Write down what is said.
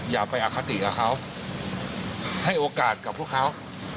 อย่าไปอคติกับเขาให้โอกาสกับพวกเขา